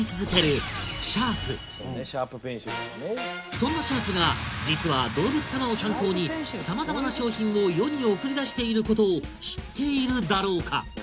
そんなシャープが実は動物さまを参考にさまざまな商品を世に送り出していることを知っているだろうか？